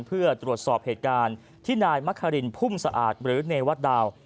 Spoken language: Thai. เพื่อตรวจสอบเหตุการณ์ที่นายมะคารินพุ่มสะอาดหรือเนวัตดาว